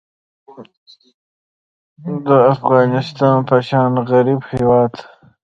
د افغانستان په شان غریب هیواد